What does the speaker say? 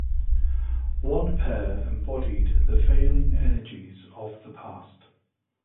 One pair embodied the failing energies of the past.